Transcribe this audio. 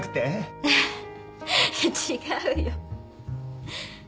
違うよ。